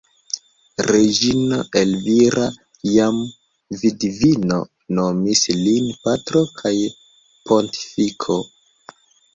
Reĝino Elvira, jam vidvino, nomis lin "patro kaj pontifiko".